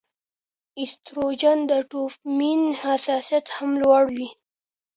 ایسټروجن د ډوپامین حساسیت هم لوړوي.